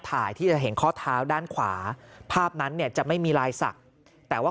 ถ่ายที่จะเห็นข้อเท้าด้านขวาภาพนั้นเนี่ยจะไม่มีลายศักดิ์แต่ว่า